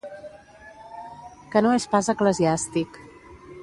Que no és pas eclesiàstic.